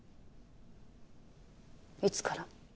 いつから？